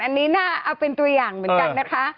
อันนี้น่าเอาเป็นตัวอย่างเหมือนกันนะคะ